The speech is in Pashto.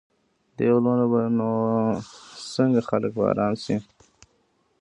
دې غلو نه به نو څنګه خلک په آرام شي.